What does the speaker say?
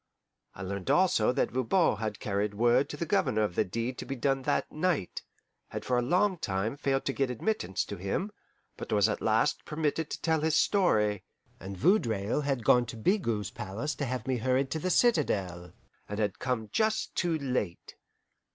I learned also that Voban had carried word to the Governor of the deed to be done that night; had for a long time failed to get admittance to him, but was at last permitted to tell his story; and Vaudreuil had gone to Bigot's palace to have me hurried to the citadel, and had come just too late.